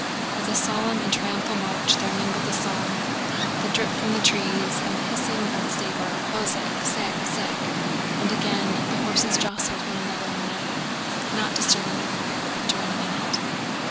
With a solemn triumphal march there mingled a song, the drip from the trees, and the hissing of the saber, "Ozheg zheg zheg..." and again the horses jostled one another and neighed, not disturbing the choir but joining in it.